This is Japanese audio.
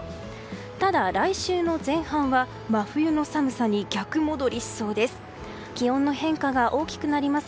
ただ、来週の前半は真冬の寒さに逆戻りしそうです。